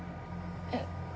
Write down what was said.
えっ。